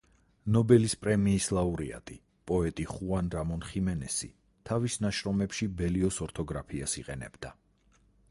ნობელის პრემიის ლაურეატი პოეტი ხუან რამონ ხიმენესი თავის ნაშრომებში ბელიოს ორთოგრაფიას იყენებდა.